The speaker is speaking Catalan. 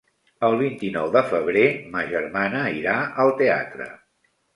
El vint-i-nou de febrer ma germana irà al teatre.